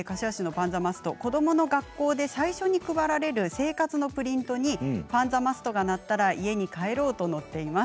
子どもの学校で最初に配られる生活のプリントにパンザマストが鳴ったら家に帰ろうと載っています。